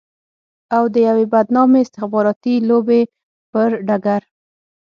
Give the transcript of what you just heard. او د يوې بدنامې استخباراتي لوبې پر ډګر.